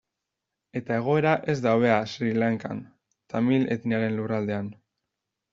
Eta egoera ez da hobea Sri Lankan, tamil etniaren lurraldean.